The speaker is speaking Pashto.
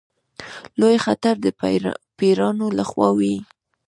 لوی خطر د پیرانو له خوا وي.